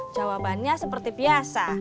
jawabannya seperti biasa